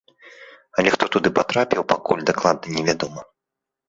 Але хто туды патрапіў, пакуль дакладна не вядома.